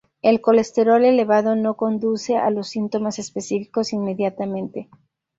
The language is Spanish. El colesterol elevado no conduce a los síntomas específicos inmediatamente.